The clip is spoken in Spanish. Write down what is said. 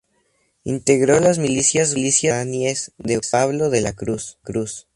Integró las milicias guaraníes de Pablo de la Cruz.